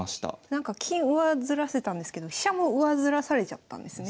なんか金上ずらせたんですけど飛車も上ずらされちゃったんですね。